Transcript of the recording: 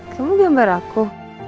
kamu gambar aku